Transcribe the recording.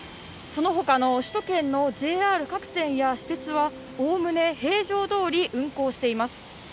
そのほかの首都圏のＪＲ各線や私鉄は、おおむね平常どおり運行しています。